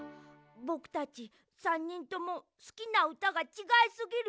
ぼくたち３にんともすきなうたがちがいすぎる。